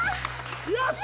「よし！」